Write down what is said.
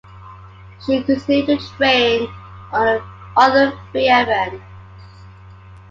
She continued to train on the other three events.